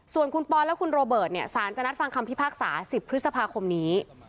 ส่วนคุณปอนและคุณโรเบิร์ตเนี่ยสารจะนัดฟังคำพิพากษา๑๐พฤษภาคมนี้